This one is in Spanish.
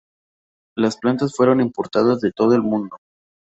Las plantas fueron importadas de todo el Mundo.